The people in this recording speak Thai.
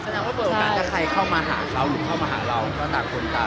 ว่าเปิดโอกาสถ้าใครเข้ามาหาเขาหรือเข้ามาหาเราก็ต่างคนต่าง